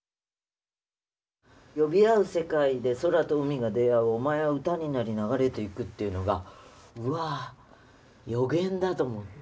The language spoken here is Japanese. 「呼び合う世界で空と海が出会うおまえは歌になり流れていく」っていうのがうわ予言だと思って。